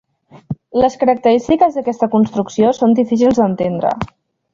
Les característiques d'aquesta construcció són difícils d'entendre.